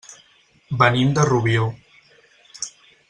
Venim de Rubió.